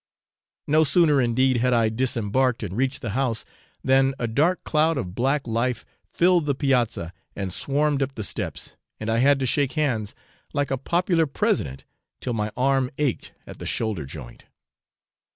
No sooner, indeed, had I disembarked and reached the house, than a dark cloud of black life filled the piazza and swarmed up the steps, and I had to shake hands, like a popular president, till my arm ached at the shoulder joint.